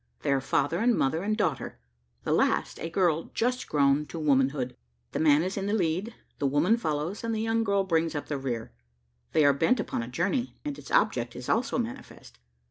They are father, and mother, and daughter the last a girl just grown to womanhood. The man is in the lead, the woman follows, and the young girl brings up the rear. They are bent upon a journey, and its object is also manifest.